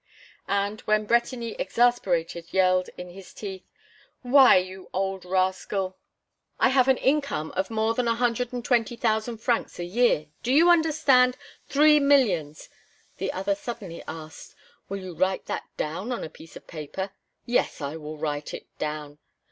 And, when Bretigny, exasperated, yelled, in his teeth: "Why, you old rascal, I have an income of more than a hundred and twenty thousand francs a year do you understand? three millions," the other suddenly asked: "Will you write that down on a piece of paper?" "Yes, I will write it down!"